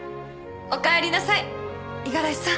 おかえりなさい五十嵐さん